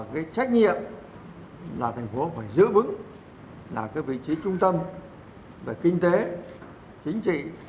cái trách nhiệm là thành phố phải giữ vững là cái vị trí trung tâm về kinh tế chính trị